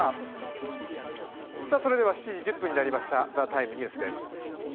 それでは７時１０分になりました「ＴＨＥＴＩＭＥ，ニュース」です。